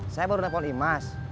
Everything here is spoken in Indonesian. saya baru telepon imas